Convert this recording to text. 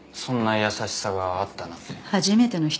そんな優しさがあったなんて。